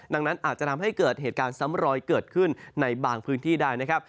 ดังนั้นอาจจะทำให้เกิดเหตุการณ์ซ้ำรอยเกิดขึ้นในบางพื้นที่ได้นะครับ